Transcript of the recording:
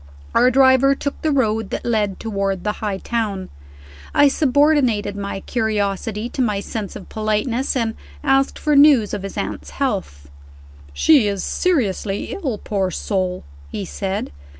Our driver took the road that led toward the High Town. I subordinated my curiosity to my sense of politeness, and asked for news of his aunt's health. "She is seriously ill, poor soul," he said.